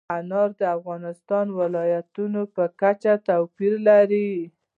انار د افغانستان د ولایاتو په کچه توپیر لري.